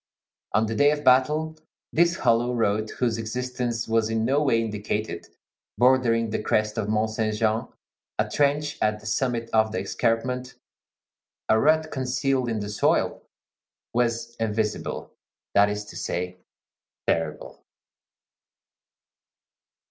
On the day of battle, this hollow road whose existence was in no way indicated, bordering the crest of Mont Saint Jean, a trench at the summit of the escarpment, a rut concealed in the soil, was invisible; that is to say, terrible.